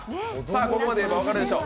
ここまで言えば分かるでしょう。